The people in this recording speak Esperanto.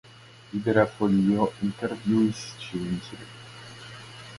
Libera Folio intervjuis ĉiujn tri.